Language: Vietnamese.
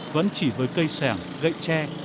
vẫn chỉ với cây sẻng gậy tre